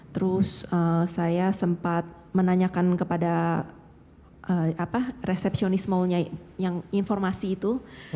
terus saya sempat menanyakan kepada resepsionis mallnya yang informasi itu